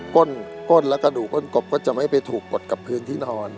ก้นและกระดูกก้นกบก็จะไม่ไปถูกกดกับพื้นที่นอน